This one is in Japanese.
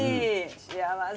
幸せ。